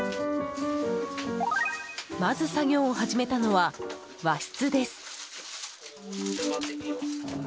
まず作業を始めたのは和室です。